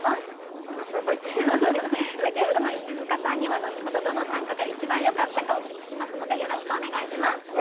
ゲストの石塚さんには後ほどどの短歌が一番よかったかお聞きしますのでよろしくお願いします。